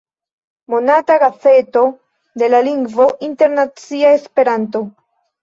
Monata gazeto de la lingvo internacia 'Esperanto"'.